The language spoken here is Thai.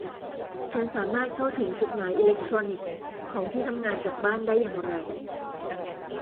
ฉันสามารถเข้าถึงจดหมายอิเล็กทรอนิกส์ของที่ทำงานจากบ้านได้อย่างไร